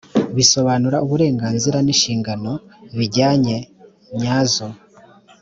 bisobanura uburenganzira n’ inshingano bijyanye nyazo.